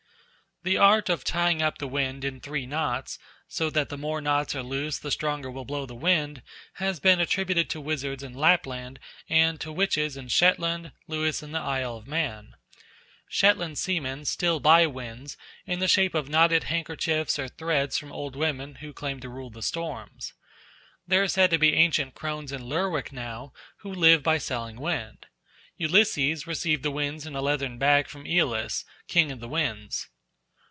The art of tying up the wind in three knots, so that the more knots are loosed the stronger will blow the wind, has been attributed to wizards in Lappland and to witches in Shetland, Lewis, and the Isle of Man. Shetland seamen still buy winds in the shape of knotted handkerchiefs or threads from old women who claim to rule the storms. There are said to be ancient crones in Lerwick now who live by selling wind. Ulysses received the winds in a leathern bag from Aeolus, King of the Winds.